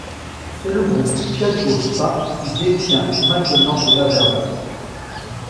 C'est le groupe Piaggio SpA qui détient maintenant Laverda.